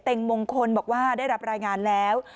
มงคลบอกว่าได้รับรายงานแล้ว